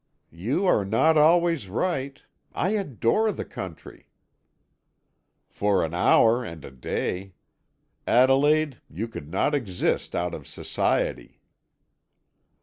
"You are not always right. I adore the country!" "For an hour and a day. Adelaide, you could not exist out of society."